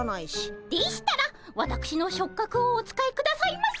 でしたらわたくしの触角をお使いくださいませ。